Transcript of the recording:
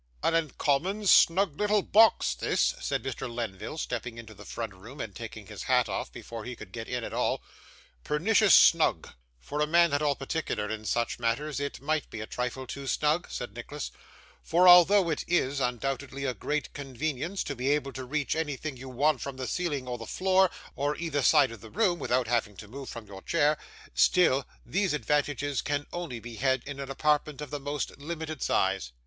'An uncommon snug little box this,' said Mr. Lenville, stepping into the front room, and taking his hat off, before he could get in at all. 'Pernicious snug.' 'For a man at all particular in such matters, it might be a trifle too snug,' said Nicholas; 'for, although it is, undoubtedly, a great convenience to be able to reach anything you want from the ceiling or the floor, or either side of the room, without having to move from your chair, still these advantages can only be had in an apartment of the most limited size.